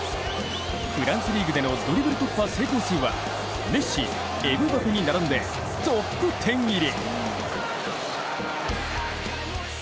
フランスリーグでのドリブル突破成功数は、メッシ、エムバペに並んでトップ１０入り。